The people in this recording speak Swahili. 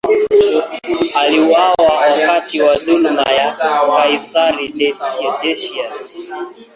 Aliuawa wakati wa dhuluma ya kaisari Decius.